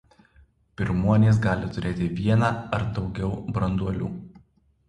Pirmuonys gali turėti vieną ar daugiau branduolių.